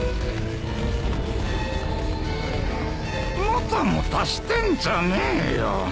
もたもたしてんじゃねえよ。